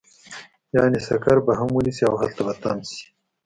يعنې سکر به هم ونيسي او هلته به تم شي.